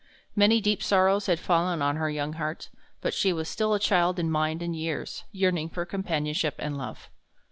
Many deep sorrows had fallen on her young heart, but she was still a child in mind and years, yearning for companionship and love.